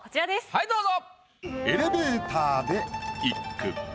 はいどうぞ。